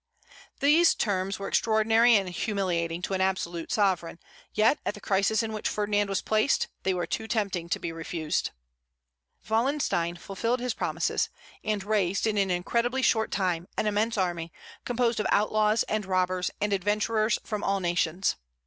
These terms were extraordinary and humiliating to an absolute sovereign, yet, at the crisis in which Ferdinand was placed, they were too tempting to be refused. Wallenstein fulfilled his promises, and raised in an incredibly short time an immense army, composed of outlaws and robbers and adventurers from all nations.